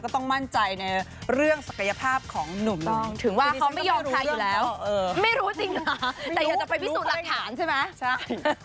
ต้องมั่นใจในเรื่องศักยภาพของหนุ่มถึงว่าเขาไม่ยอมใครอยู่แล้วไม่รู้จริงนะแต่อยากจะไปพิสูจน์หลักฐานใช่ไหมใช่